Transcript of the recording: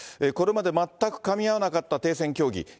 これまで全くかみ合わなかった停戦協議。